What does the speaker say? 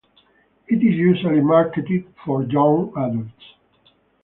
It is usually marketed for young adults.